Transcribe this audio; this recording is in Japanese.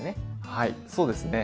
はいそうですね